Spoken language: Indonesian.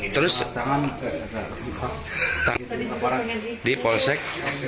terus tangan di polsek